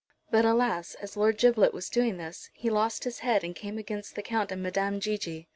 But alas! as Lord Giblet was doing this he lost his head and came against the Count and Madame Gigi.